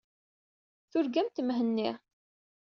Turgamt Mhenni.